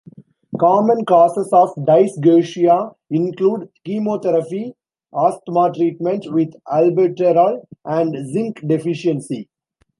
Common causes of dysgeusia include chemotherapy, asthma treatment with albuterol, and zinc deficiency.